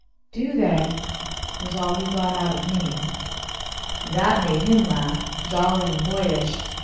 "Do they?" was all he got out of me. That made him laugh, jolly and boyish.